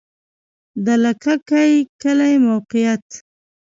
د لکه کی کلی موقعیت